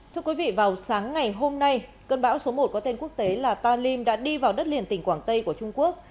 thưa quý vị vào sáng ngày hôm nay cơn bão số một có tên quốc tế là ta lim đã đi vào đất liền tỉnh quảng tây của trung quốc